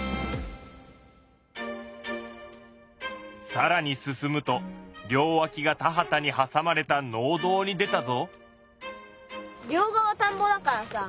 さらに進むと両わきが田畑にはさまれた農道に出たぞ。